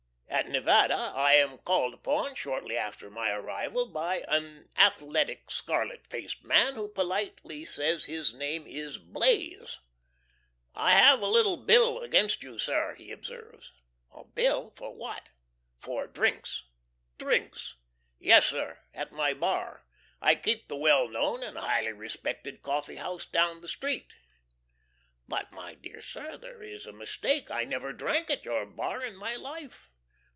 At Nevada I am called upon, shortly after my arrival, by an athletic scarlet faced man, who politely says his name is Blaze. "I have a little bill against you, sir," he observes. "A bill what for?" "For drinks." "Drinks?" "Yes, sir at my bar, I keep the well known and highly respected coffee house down the street." "But, my dear sir, there is a mistake I never drank at your bar in my life."